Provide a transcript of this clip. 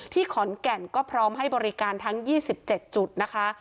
ขอนแก่นก็พร้อมให้บริการทั้ง๒๗จุดนะคะ